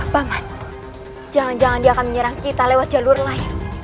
banget jangan jangan dia akan menyerang kita lewat jalur lain